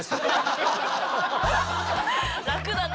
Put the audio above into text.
楽だな。